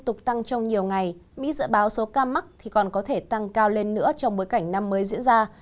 tục tăng trong nhiều ngày mỹ dự báo số ca mắc thì còn có thể tăng cao lên đến ngày hôm nay